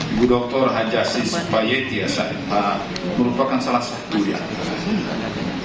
ibu dr haji payet merupakan salah satu ya